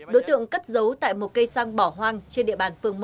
đối tượng cất giấu tại một cây xăng bỏ hoang trên địa bàn phường một